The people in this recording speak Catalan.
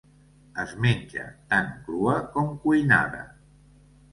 Es menja tant crua com cuinada.